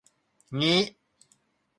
งี้